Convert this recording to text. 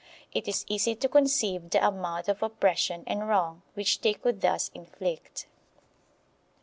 2 It is easy to conceive the amount of oppression and wrong which they could thus inflict.